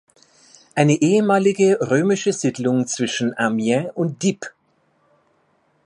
Eine ehemalige römische Siedlung zwischen Amiens und Dieppe.